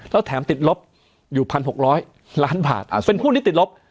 แล้วแถมติดลบอยู่๑๖๐๐ล้านบาทเป็นผู้ที่ติดลบ